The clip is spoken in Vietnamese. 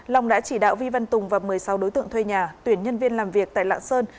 long đã chỉ đạo vi văn tùng và một mươi sáu đối tượng thuê nhà tuyển nhân viên làm việc tại lạng sơn